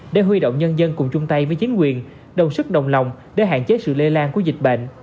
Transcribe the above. để huy động nhân dân cùng chung tay với chính quyền đồng sức đồng lòng để hạn chế sự lây lan của dịch bệnh